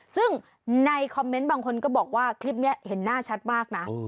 ซึ่งในคอมเมนต์บางคนก็บอกว่าคลิปนี้เห็นหน้าชัดมากนะ